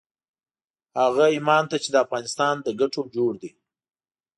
هغه ايمان ته چې د افغانستان له ګټو جوړ دی.